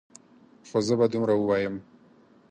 خو زه به دومره ووایم.